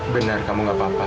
benar kamu gak apa apa